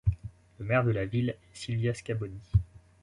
Le maire de la ville est Sylvia Scaboni.